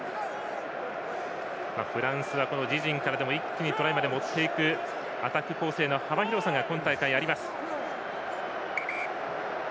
フランスは自陣からでも一気にトライに持っていくアタック構成の幅広さが今大会あります。